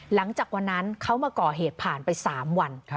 หลังจากวันนั้นเขามาก่อเหตุผ่านไป๓วัน